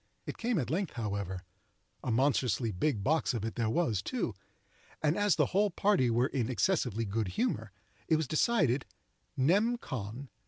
It came at length, however,—a monstrously big box of it there was, too—and as the whole party were in excessively good humor, it was decided, nem. con.